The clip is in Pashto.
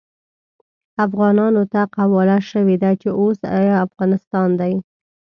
افغانانو ته قواله شوې ده چې اوس يې افغانستان دی.